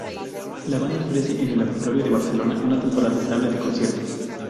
La Banda ofrece en el Auditorio de Barcelona una temporada estable de conciertos.